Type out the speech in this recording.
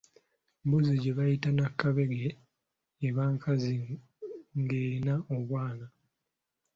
Embuzi gye bayita nakabege eba nkazi ng’erina obwana.